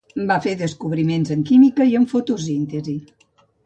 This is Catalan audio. Va fer descobriments en química i fotosíntesi.